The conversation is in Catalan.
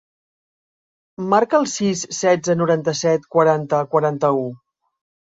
Marca el sis, setze, noranta-set, quaranta, quaranta-u.